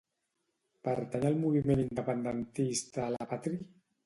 Pertany al moviment independentista la Patri?